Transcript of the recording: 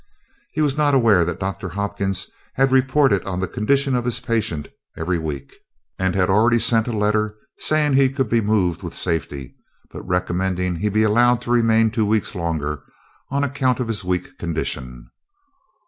He was not aware that Doctor Hopkins had reported on the condition of his patient every week, and had already sent a letter saying he could be moved with safety, but recommending he be allowed to remain two weeks longer, on account of his weak condition.